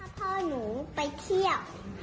พ่อหนูไปเที่ยว